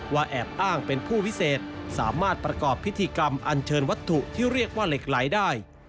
แอบอ้างเป็นผู้วิเศษสามารถประกอบพิธีกรรมอันเชิญวัตถุที่เรียกว่าเหล็กไหลได้